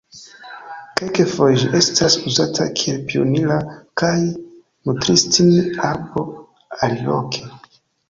Kelkfoje ĝi estas uzata kiel pionira kaj nutristin-arbo aliloke.